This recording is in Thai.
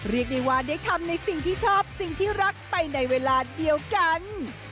เรียกได้ว่าได้ทำในสิ่งที่ชอบสิ่งที่รักไปในเวลาเดียวกัน